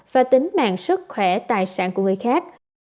và tính mạng sức khỏe tài sản của người khác